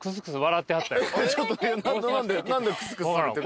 何でクスクスされてる。